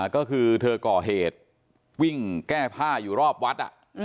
ก็คือเธอก่อเหตุวิ่งแก้ผ้าอยู่รอบวัด